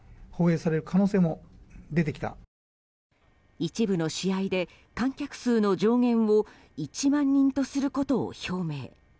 一部の試合で観客数の上限を１万人とすることを表明。